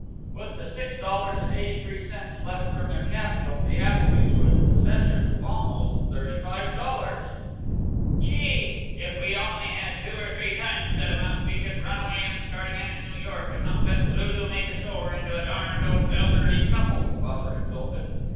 With the six dollars and eighty three cents left from their capital the Applebys were the possessors of almost thirty five dollars! "Gee! if we only had two or three times that amount we could run away and start again in New York, and not let Lulu make us over into a darned old elderly couple!" Father exulted.